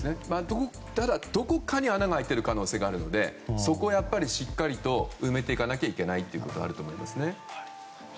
ただ、どこかに穴が開いている可能性があるのでそこをしっかり埋めていかなきゃいけないというところはあると思います。